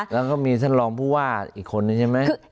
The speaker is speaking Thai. แล้วก็มีท่านรองผู้ว่าอีกคนนึงใช่ไหม